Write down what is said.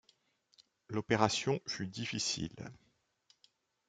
L’opération fut difficile.